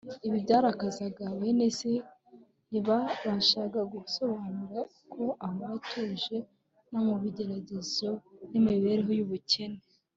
Ibi byarakazaga bene se. Ntibabashaga gusobanura uko ahora atuje no mu bigeragezo n’imibereho y’ubukene.